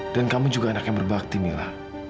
dan kamu juga anak yang berbakti mila